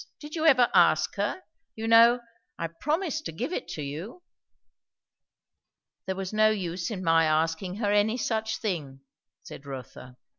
Did you ever ask her? You know, I promised to give it to you?" "There was no use in my asking her any such thing,"' said Rotha.